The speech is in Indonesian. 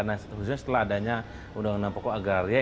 nah tentu saja setelah adanya undang undang pokok agraria